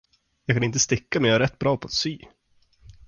Jag kan inte sticka, men jag är rätt bra på att sy.